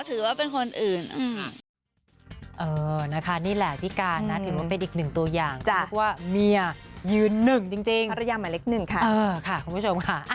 รายงามการทุกอย่างถือว่าเป็นคนอื่น